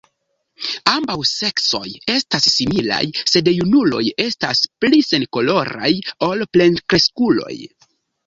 Ambaŭ seksoj estas similaj, sed junuloj estas pli senkoloraj ol plenkreskuloj.